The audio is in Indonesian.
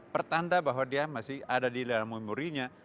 pertanda bahwa dia masih ada di dalam memorinya